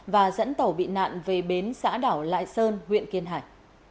và dẫn tàu bị nạn về bến xã đảo lại sơn huyện kiên hải